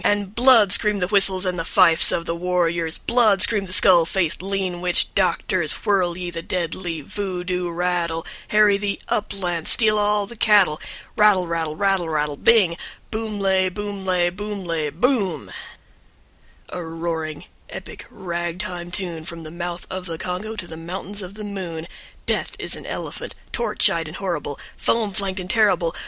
And "BLOOD" screamed the whistles and the fifes of the warriors, "BLOOD" screamed the skull faced, lean witch doctors, "Whirl ye the deadly voo doo rattle, Harry the uplands, Steal all the cattle, Rattle rattle, rattle rattle, Bing. Boomlay, boomlay, boomlay, BOOM," # With a philosophic pause. # A roaring, epic, rag time tune From the mouth of the Congo To the Mountains of the Moon. Death is an Elephant, # Shrilly and with a heavily accented metre. # Torch eyed and horrible, Foam flanked and terrible.